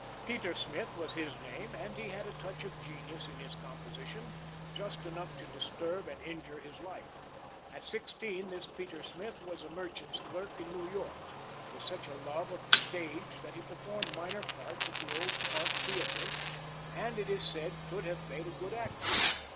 Peter Smith was his name, and he had a touch of genius in his composition, just enough to disturb and injure his life. At sixteen this Peter Smith was a merchant's clerk in New York, with such a love of the stage that he performed minor parts at the old Park theatre, and it is said could have made a good actor.